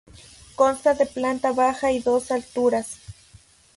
Consta de planta baja y dos alturas.